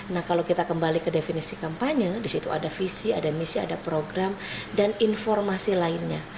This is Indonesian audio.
nah kalau kita kembali ke definisi kampanye disitu ada visi ada misi ada program dan informasi lainnya